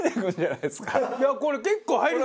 いやこれ結構入りそう。